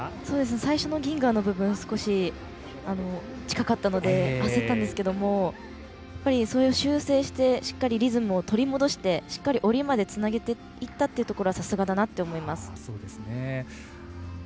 最初のギンガーの部分近かったので焦ったんですけれども、修正してしっかりリズムを取り戻してしっかり、下りまでつなげていったところはさすがだなと思います。